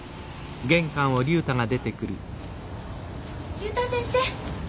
竜太先生。